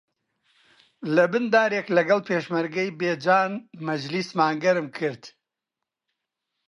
لەبن دارێک لەگەڵ پێشمەرگەی بێجان مەجلیسمان گەرم کرد